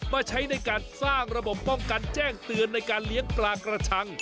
มาใช้ในการสร้างระบบป้องกันแจ้งเตือนในการเลี้ยงปลากระชัง